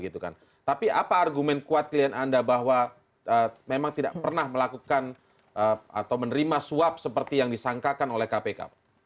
tapi apa argumen kuat klien anda bahwa memang tidak pernah melakukan atau menerima suap seperti yang disangkakan oleh kpk